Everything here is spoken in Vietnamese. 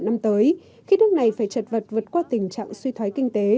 năm tới khi nước này phải chật vật vượt qua tình trạng suy thoái kinh tế